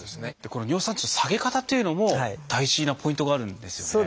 この尿酸値の下げ方というのも大事なポイントがあるんですよね。